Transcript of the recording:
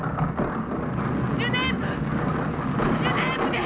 ジュネーブジュネーブで！